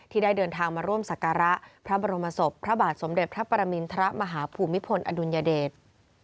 ได้เดินทางมาร่วมศักระพระบรมศพพระบาทสมเด็จพระปรมินทรมาฮภูมิพลอดุลยเดช